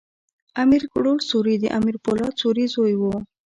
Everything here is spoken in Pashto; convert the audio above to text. امیر کروړ سوري د امیر پولاد سوري زوی ؤ.